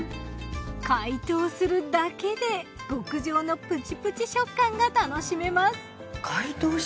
解凍するだけで極上のプチプチ食感が楽しめます。